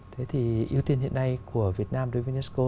thế thì ưu tiên hiện nay của việt nam đối với unesco